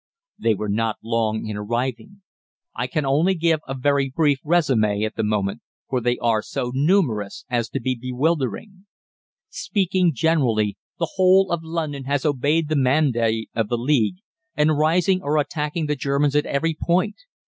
"They were not long in arriving. I can only give a very brief résumé at the moment, for they are so numerous as to be bewildering. "Speaking generally, the whole of London has obeyed the mandate of the League, and, rising, are attacking the Germans at every point.